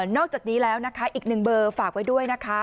อกจากนี้แล้วนะคะอีกหนึ่งเบอร์ฝากไว้ด้วยนะคะ